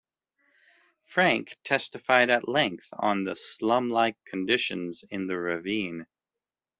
Frank testified at length on the slum-like conditions in the ravine.